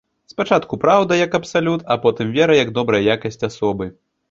Спачатку праўда як абсалют, а потым вера як добрая якасць асобы.